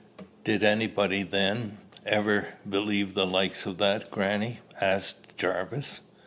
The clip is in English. "Did anybody, then, ever believe the likes of that, grannie?" asked Jarvis.